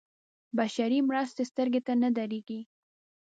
بشري مرستې سترګو ته نه درېږي.